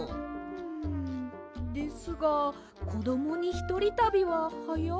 んですがこどもにひとりたびははやいような。